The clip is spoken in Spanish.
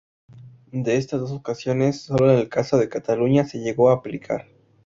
De estas dos ocasiones, solo en el caso de Cataluña se llegó a aplicar.